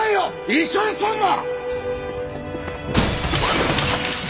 一緒にすんな！